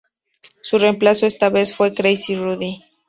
Su reemplazo esta vez fue Crazy Rudy.